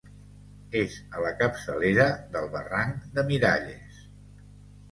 És a la capçalera del barranc de Miralles.